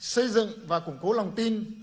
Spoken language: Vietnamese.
xây dựng và củng cố lòng tin